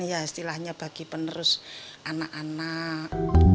ya istilahnya bagi penerus anak anak